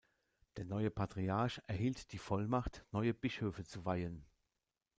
Der neue Patriarch erhielt die Vollmacht, neue Bischöfe zu weihen.